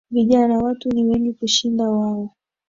Vijana watu ni wengi kushinda wao